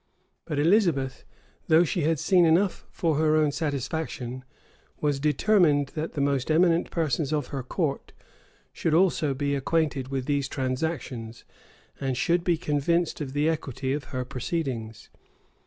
[*] But Elizabeth, though she had seen enough for her own satisfaction, was determined that the most eminent persons of her court should also be acquainted with these transactions, and should be convinced of the equity of her proceedings.